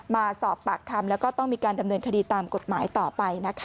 มาสอบปากคำแล้วก็ต้องมีการดำเนินคดีตามกฎหมายต่อไปนะคะ